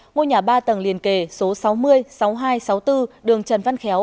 ngôi nhà ba tầng liền kề số sáu mươi sáu mươi hai sáu mươi bốn đường trần văn khéo